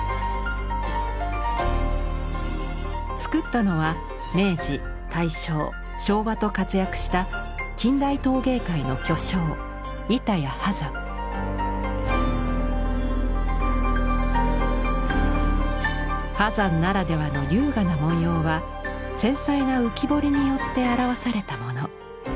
作ったのは明治大正昭和と活躍した近代陶芸界の巨匠波山ならではの優雅な文様は繊細な浮き彫りによって表されたもの。